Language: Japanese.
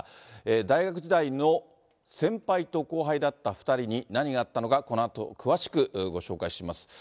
大学時代の先輩と後輩だった２人に何があったのか、このあと詳しくご紹介します。